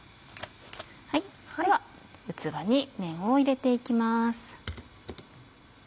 では器に麺を入れて行きます。